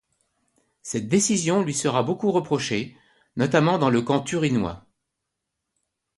Cette décision lui sera beaucoup reprochée, notamment dans le camp turinois.